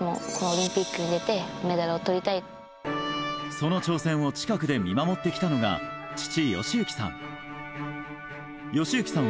その挑戦を近くで見守ってきたのが父・義行さん。